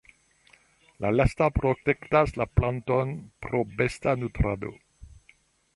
La lasta protektas la planton pro besta nutrado.